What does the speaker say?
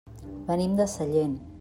Venim de Sallent.